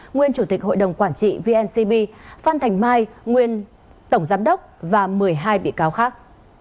nguyên chủ tịch hội đồng quản trị vncb phan thành mai nguyên tổng giám đốc và một mươi hai bị cáo khác